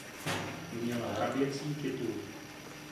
Měl hraběcí titul.